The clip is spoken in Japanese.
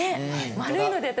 丸いので私